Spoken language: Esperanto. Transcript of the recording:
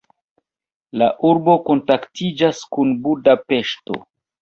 La urbo kontaktiĝas kun Budapeŝto.